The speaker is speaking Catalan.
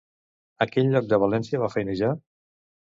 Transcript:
A quin lloc de València va feinejar?